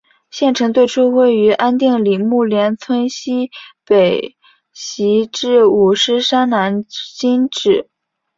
县城最初位于安定里木连村溪北徙治五狮山南今址。